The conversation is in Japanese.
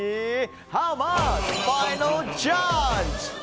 ハウマッチファイナルジャッジ。